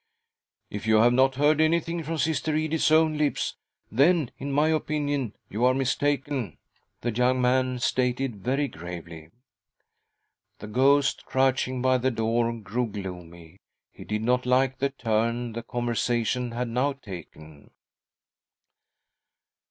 " If you have not heard anything from Sister Edith's own lips, then, in my opinion, you are mistaken," the young man stated very gravely. •, The ghost, crouching by the door, grew gloomy ; he did not like the turn the conversation had now taken.